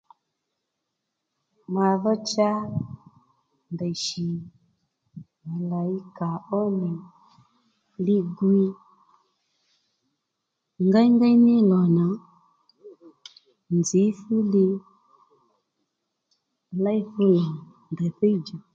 Mà dho cha ndèy shì mà làyi kàó nì li gwiy ngéyngéy ní lò nà nzǐ fú ndrǔ léy fú lò ndèy thíy djò